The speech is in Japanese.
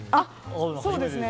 そうですね。